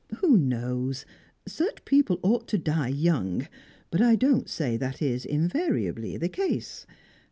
Who knows? Such people ought to die young. But I don't say that it is invariably the case.